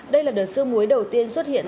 đây là đợt sương muối đầu tiên xuất hiện